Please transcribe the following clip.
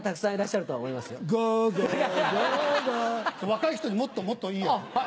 若い人にもっともっといいやつ。